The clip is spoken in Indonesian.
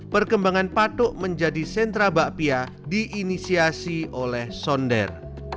perkembangan patuk menjadi sentra bakpia diinisiasi oleh sonder